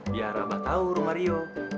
biar abah tahu rumah rio